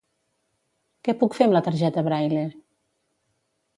Què puc fer amb la targeta Braille?